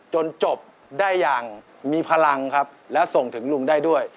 จนจบได้อย่างมีพลังครับและส่งถึงลุงได้ด้วย